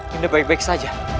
yunda baik baik saja